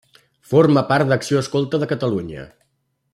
Forma part d'Acció Escolta de Catalunya.